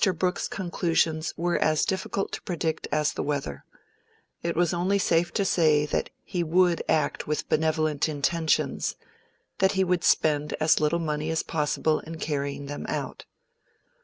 Brooke's conclusions were as difficult to predict as the weather: it was only safe to say that he would act with benevolent intentions, and that he would spend as little money as possible in carrying them out.